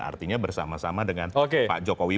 artinya bersama sama dengan pak jokowi